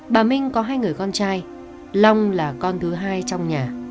bà minh có hai người con trai long là con thứ hai trong nhà